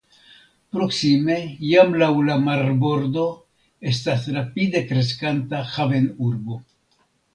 Proksime jam laŭ la marbordo estas rapide kreskanta havenurbo.